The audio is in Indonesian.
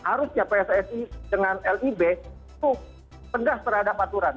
harusnya pssi dengan lib itu tegas terhadap aturan